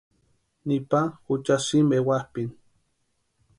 Nipa jucha sïmpa ewapʼini.